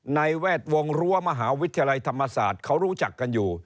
แวดวงมหาวิทยาลัยธรรมศาสตร์เขารู้จักกันอยู่